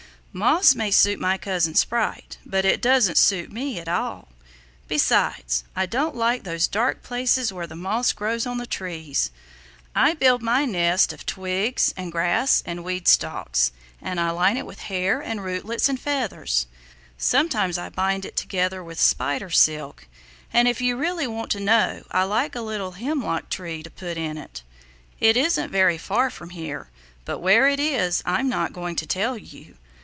"Moss may suit my cousin Sprite, but it doesn't suit me at all. Besides, I don't like those dark places where the moss grows on the trees. I build my nest of twigs and grass and weed stalks and I line it with hair and rootlets and feathers. Sometimes I bind it together with spider silk, and if you really want to know, I like a little hemlock tree to put it in. It isn't very far from here, but where it is I'm not going to tell you.